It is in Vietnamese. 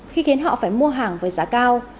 khi khiến họ phải mua hàng với giá cao